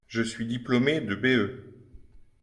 Je suis diplomé de B.E.